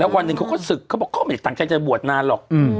แล้ววันหนึ่งเขาก็สึกเขาบอกว่าเขาไม่ตั้งใจจะบวชนานหรอก